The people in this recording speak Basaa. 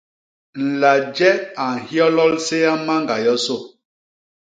Nlaje a nhyolol séa mañga yosô.